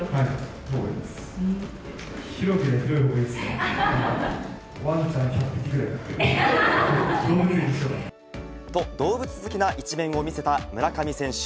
と、意外な動物好きな一面を見せた村上選手。